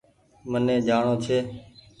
مهني جآڻو ڇي